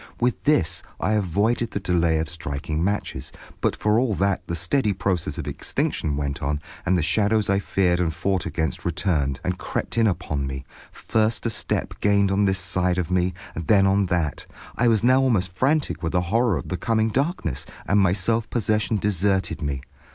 With this I avoided the delay of striking matches, but for all that the steady process of extinction went on, and the shadows I feared and fought against returned, and crept in upon me, first a step gained on this side of me, then on that. I was now almost frantic with the horror of the coming darkness, and my self possession deserted me.